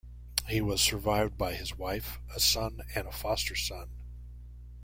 He was survived by his wife, a son and a foster son.